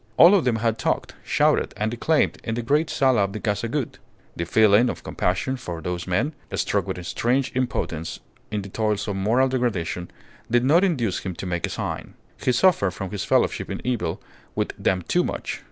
All of them had talked, shouted, and declaimed in the great sala of the Casa Gould. The feeling of compassion for those men, struck with a strange impotence in the toils of moral degradation, did not induce him to make a sign. He suffered from his fellowship in evil with them too much.